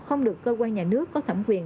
không được cơ quan nhà nước có thẩm quyền